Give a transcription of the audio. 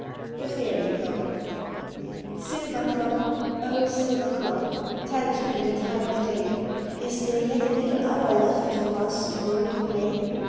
V.S. THE FAIRY CLOCK Silver clock! O silver clock! tell to me the time o' day! Is there yet a little hour left for us to work and play?